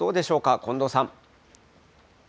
近藤さん。